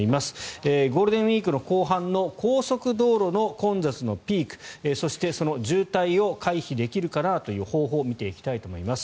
ゴールデンウィークの後半の高速道路の混雑のピークそしてその渋滞を回避できるかなという方法を見ていきたいと思います。